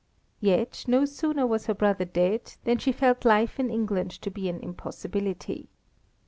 Yet, no sooner was her brother dead, than she felt life in England to be an impossibility.